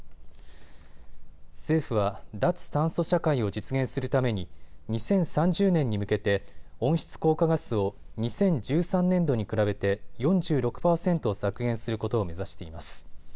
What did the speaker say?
政府は脱炭素社会を実現するために２０３０年に向けて温室効果ガスを２０１３年度に比べて４６％削減することを目指しています。